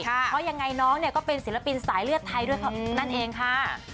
เพราะยังไงน้องเนี่ยก็เป็นศิลปินสายเลือดไทยด้วยนั่นเองค่ะ